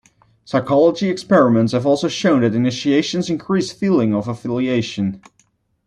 Psychology experiments have also shown that initiations increase feelings of affiliation.